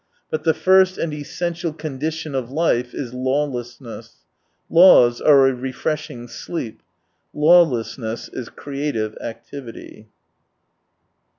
But the first and essential con dition of life is lawlessness. Laws are a refreshing sleep — lawlessness is creative activity.